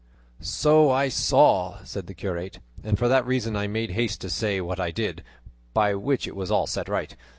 "So I saw," said the curate, "and for that reason I made haste to say what I did, by which it was all set right.